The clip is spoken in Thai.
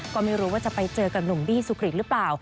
ก็ไม่รู้ว่าจะไปเจอกับหนุ่มดี้สุกริตหรือเปล่า